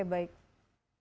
kita harus tetap berhenti